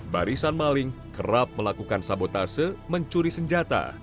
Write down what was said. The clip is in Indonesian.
barisan maling kerap melakukan sabotase mencuri senjata